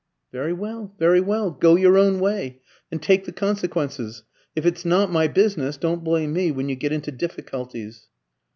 "Very well, very well; go your own way, and take the consequences. If it's not my business, don't blame me when you get into difficulties."